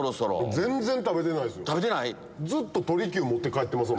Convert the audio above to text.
全然食べてないですよ。